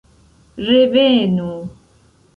Revenu!!